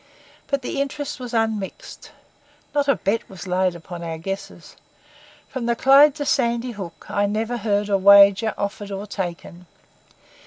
But the interest was unmixed. Not a bet was laid upon our guesses. From the Clyde to Sandy Hook I never heard a wager offered or taken.